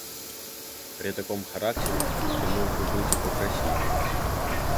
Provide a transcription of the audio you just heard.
При таком характере ты мог бы быть и покрасивее.